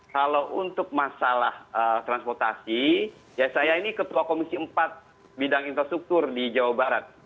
kalau untuk masalah transportasi ya saya ini ketua komisi empat bidang infrastruktur di jawa barat